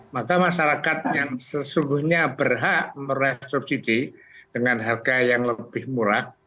maka masyarakat yang sesungguhnya berhak merek subsidi dengan harga yang lebih murah